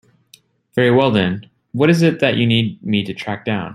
Very well then, what is it that you need me to track down?